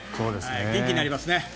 元気になりますね。